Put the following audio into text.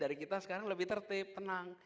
jadi kita sekarang lebih tertib tenang